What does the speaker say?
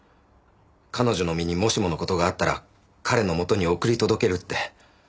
彼女の身にもしもの事があったら彼のもとに送り届けるって。